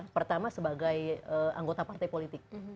pertama sebagai anggota partai politik